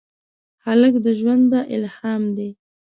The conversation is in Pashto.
هلک د ژونده الهام دی.